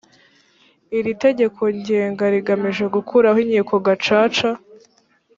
iri tegeko ngenga rigamije gukuraho inkiko gacaca